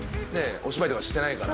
お芝居とかしてないから。